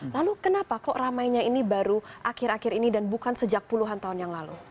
lalu kenapa kok ramainya ini baru akhir akhir ini dan bukan sejak puluhan tahun yang lalu